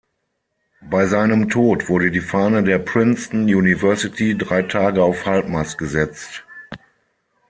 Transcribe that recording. Bei seinem Tod wurde die Fahne der Princeton University drei Tage auf halbmast gesetzt.